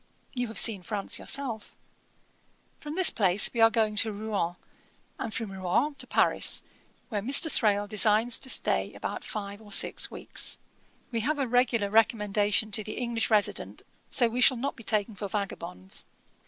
You have seen France yourself. From this place we are going to Rouen, and from Rouen to Paris, where Mr. Thrale designs to stay about five or six weeks. We have a regular recommendation to the English resident, so we shall not be taken for vagabonds.